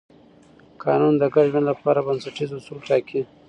قانون د ګډ ژوند لپاره بنسټیز اصول ټاکي.